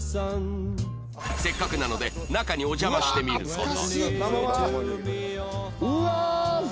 せっかくなので中にお邪魔してみる事に